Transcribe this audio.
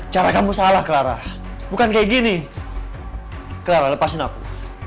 cara kamu salah clara bukan kayak gini clara lepasin aku